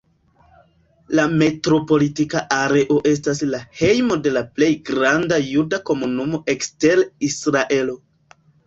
La metropolita areo estas la hejmo de la plej granda juda komunumo ekster Israelo.